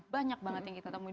banyak banget yang kita temuin